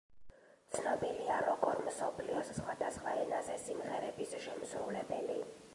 ცნობილია როგორ მსოფლიოს სხვადასხვა ენაზე სიმღერების შემსრულებელი.